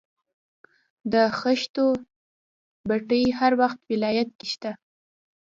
د خښتو بټۍ په هر ولایت کې شته